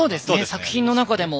作品の中でも。